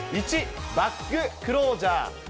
１、バッグクロージャ―。